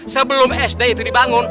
sebelum sd itu dibangun